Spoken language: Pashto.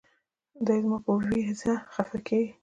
دے زما پۀ وېزه خفه کيږي